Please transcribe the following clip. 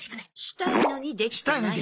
したいのにできてない。